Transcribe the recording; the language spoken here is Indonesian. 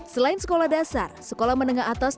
selain sekolah dasar sekolah menengah atas